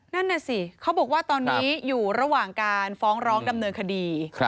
นั่นน่ะสิเขาบอกว่าตอนนี้อยู่ระหว่างการฟ้องร้องดำเนินคดี